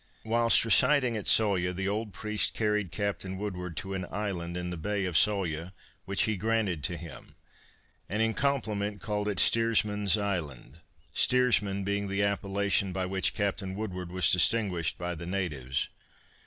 Whilst residing at Sawyah the old priest carried Captain Woodward to an island in the bay of Sawyah, which he granted to him, and in compliment called it Steersman's Island, steersman being the appellation by which Captain Woodward was distinguished by the natives.